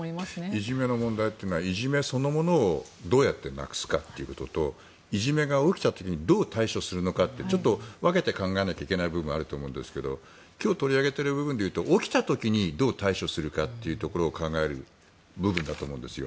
いじめの問題というのはいじめそのものをどうやってなくすかということといじめが起きた時にどう対処するのかってちょっと分けて考えなければならない部分があると思いますが今日取り上げている部分でいうと起きた時にどう対処するかというのを考える部分だと思うんですよ。